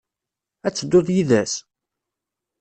Ad tedduḍ yid-s?